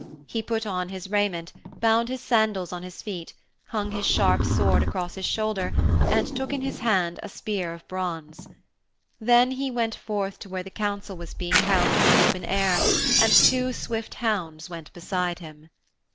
He put on his raiment, bound his sandals on his feet, hung his sharp sword across his shoulder, and took in his hand a spear of bronze. Then he went forth to where the Council was being held in the open air, and two swift hounds went beside him.